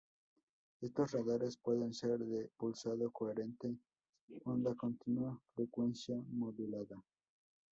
Estos radares pueden ser: de pulsado coherente, onda continua, frecuencia modulada.